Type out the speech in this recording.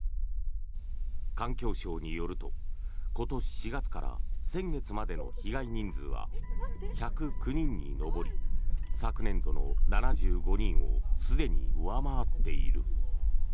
環境省によると今年４月から先月までの被害人数は１０９人に上り昨年度の７５人をすでに上回っている。